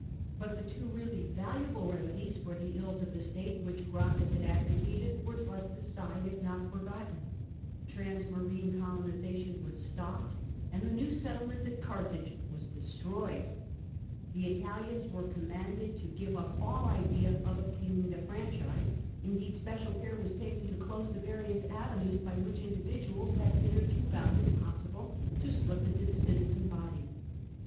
But the two really valuable remedies for the ills of the state which Gracchus had advocated were thrust aside, if not forgotten. Transmarine colonisation was stopped, and 89 go FROM THE GRACCHI TO SULLA the new settlement at Carthage was destroyed. The Italians were connnanded to give up all idea of obtaining the franchise ; indeed, special care was taken to close the various avenues by which individuals had hitherto found it possible to slip into the citizen body.